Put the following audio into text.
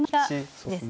そうですね。